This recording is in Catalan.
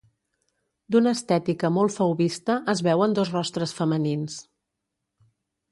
D'una estètica molt fauvista, es veuen dos rostres femenins.